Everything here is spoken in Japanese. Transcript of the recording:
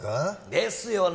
ですよね